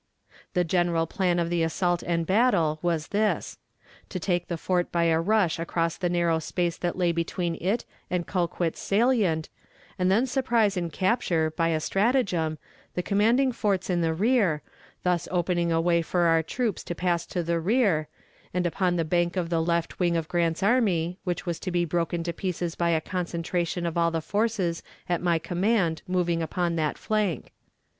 "The general plan of the assault and battle was this: To take the fort by a rush across the narrow space that lay between it and Colquitt's Salient, and then surprise and capture, by a stratagem, the commanding forts in the rear, thus opening a way for our troops to pass to the rear, and upon the bank of the left wing of Grant's army, which was to be broken to pieces by a concentration of all the forces at my command moving upon that flank.